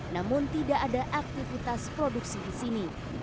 namun tidak ada aktivitas produksi di sini